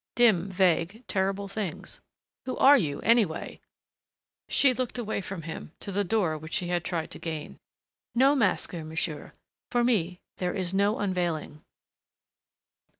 Dim, vague, terrible things.... "Who are you, anyway?" She looked away from him, to the door which she had tried to gain. "No masker, monsieur.... For me, there is no unveiling."